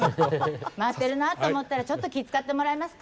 回ってるなと思ったらちょっと気ィ遣ってもらえますか？